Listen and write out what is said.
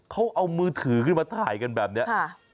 เขาเอามือถือขึ้นมาถ่ายกันแบบนี้